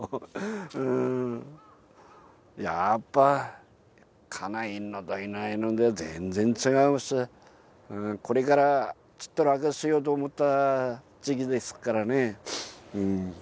うんやっぱ家内いるのといないのじゃ全然違うしこれからちっと楽しようと思った時期ですからね